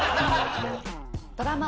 ドラマ